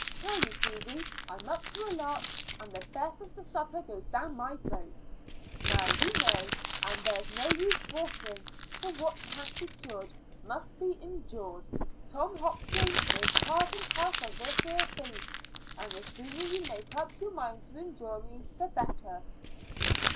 Tell you, Susy, I'm up to a lark, and the best of the supper goes down my throat. Now you know, and there's no use worriting, for what can't be cured must be endured. Tom Hopkins is part and parcel of this 'ere feast, and the sooner you make up your mind to endure me the better."